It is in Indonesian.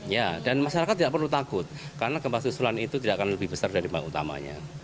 ya dan masyarakat tidak perlu takut karena gempa susulan itu tidak akan lebih besar dari gempa utamanya